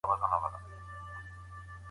په اختر کي خپګان نه ساتل کېږي.